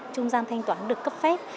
trung gian thanh toán được cấp phép